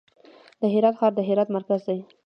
د هرات ښار د هرات مرکز دی